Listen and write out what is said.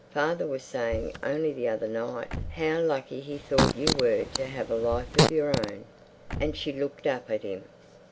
"Father was saying only the other night how lucky he thought you were to have a life of your own." And she looked up at him.